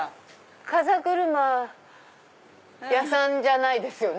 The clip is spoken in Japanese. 風車屋さんじゃないですよね？